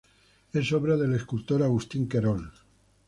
Es obra del escultor Agustín Querol.